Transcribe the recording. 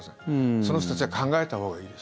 その人たちは考えたほうがいいです。